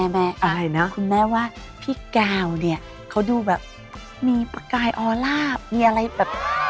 แม่คุณแม่พี่ก้าวเขาดูแบบมามีประกายออราบมีอะไรแบบ